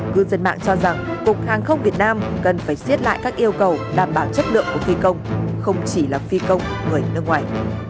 cư dân mạng cho rằng cục hàng không việt nam cần phải xiết lại các yêu cầu đảm bảo chất lượng của phi công không chỉ là phi công người nước ngoài